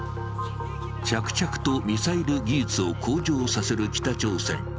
着々とミサイル技術を向上させる北朝鮮。